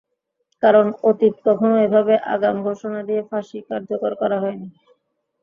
কারণ, অতীতে কখনো এভাবে আগাম ঘোষণা দিয়ে ফাঁসি কার্যকর করা হয়নি।